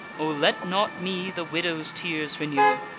O let not me the widow's tears renew!